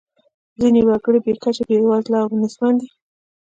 ځینې وګړي بې کچې بیوزله او نیستمن دي.